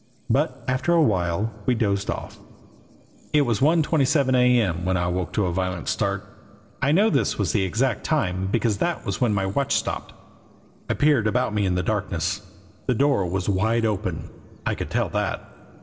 But after a while we dozed off. It was one twenty seven A. M. when I woke with a violent start. I know this was the exact time because that was when my watch stopped. I peered about me in the darkness. The door was wide open I could tell that.